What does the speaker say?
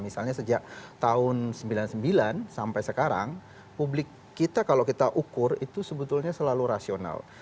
misalnya sejak tahun seribu sembilan ratus sembilan puluh sembilan sampai sekarang publik kita kalau kita ukur itu sebetulnya selalu rasional